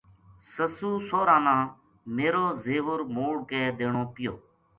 سسُو سوہراں نا میرو زیور موڑ کے دینو پیو